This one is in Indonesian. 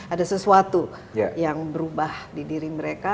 ada sesuatu yang berubah di diri mereka